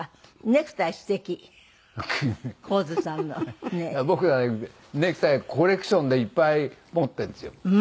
僕ネクタイコレクションでいっぱい持ってるんですよ。